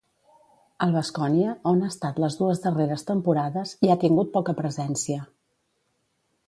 Al Baskonia, on ha estat les dues darreres temporades, hi ha tingut poca presència.